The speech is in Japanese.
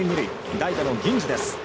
代打の銀次です。